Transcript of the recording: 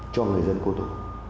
cho người dân cô tô